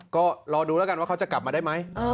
ก็รอดูแล้วกันว่าเขาจะกลับมาได้ไหม